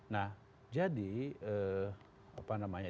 nah jadi apa namanya